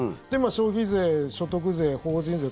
消費税、所得税、法人税